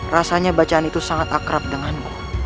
rasanya bacaan itu sangat menarik